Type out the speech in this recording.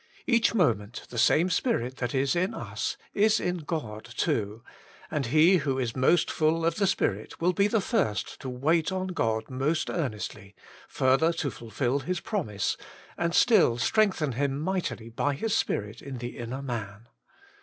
Each moment the same Spirit that is in us, is in God too, and he who is most full of the Spirit will be the first to wait on God most earnestly, further to fulfil His promise, and still strengthen him mightily by His Spirit in the inner man.